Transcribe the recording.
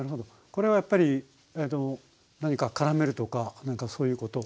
これはやっぱり何かからめるとかなんかそういうこと？